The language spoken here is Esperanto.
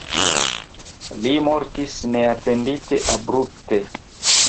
Li mortis neatendite abrupte.